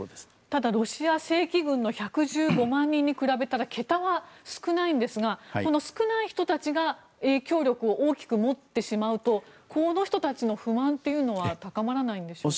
ただ、ロシア正規軍の１１５万人に比べたら桁が少ないんですがこの少ない人たちが影響力を大きく持ってしまうとこの人たちの不満というのは高まらないんでしょうか。